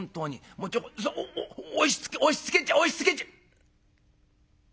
もうちょこおっおっ押しつけ押しつけちゃ押しつけちゃ」。